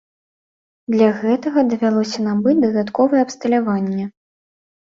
Для гэтага давялося набыць дадатковае абсталяванне.